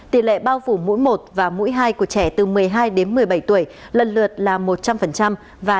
tỷ lệ bao phủ mũi một và mũi hai của trẻ từ một mươi hai đến một mươi bảy tuổi lần lượt là một trăm linh và